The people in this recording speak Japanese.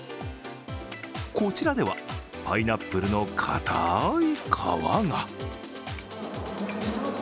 こちらではパイナップルのかたい